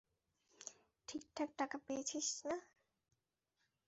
ঠিকঠাক টাকা পেয়েছিস না?